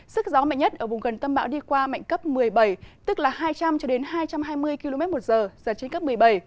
sức gió mạnh nhất ở vùng gần tâm bão đi qua mạnh cấp một mươi bảy tức là hai trăm linh cho đến hai trăm hai mươi km một giờ giật trên cấp một mươi bảy